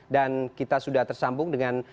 kita sudah tersambung dengan